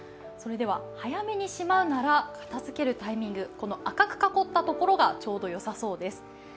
それでは早めにしまうなら、片づけるタイミング、この赤く囲ったところがちょうどよさそうです。